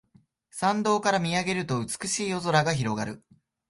山道から見上げると美しい夜空が広がる